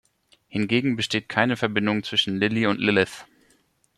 Hingegen besteht keine Verbindung zwischen Lilli und Lilith.